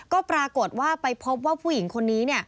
ก็ปรากฏว่าไปพบว่าผู้หญิงคนนี้